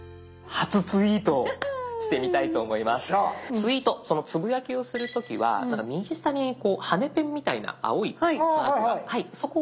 ツイートつぶやきをする時は右下に羽根ペンみたいな青いマークが。